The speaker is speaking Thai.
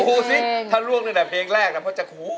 ดูสิถ้าร่วงหนึ่งแต่เพลงแรกนะเพราะจะหัวหน่อยครับ